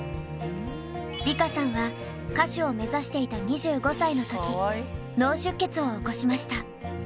梨花さんは歌手を目指していた２５歳の時脳出血を起こしました。